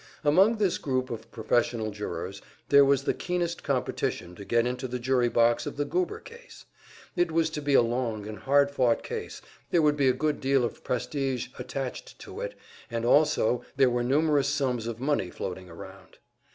Among this group of professional jurors, there was the keenest competition to get into the jury box of the Goober case. It was to be a long and hard fought case, there would be a good deal of prestige attached to it, and also there were numerous sums of money floating round.